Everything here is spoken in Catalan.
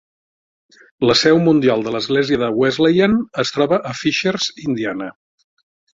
La seu mundial de l'Església de Wesleyan es troba a Fishers, Indiana.